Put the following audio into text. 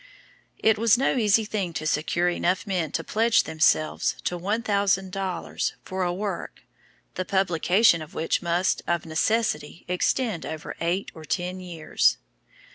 It was no easy thing to secure enough men to pledge themselves to $1,000 for a work, the publication of which must of necessity extend over eight or ten years.